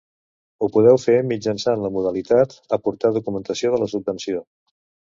Ho podeu fer mitjançant la modalitat "Aportar documentació de la subvenció".